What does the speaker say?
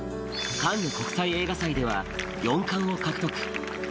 カンヌ国際映画祭では４冠を獲得。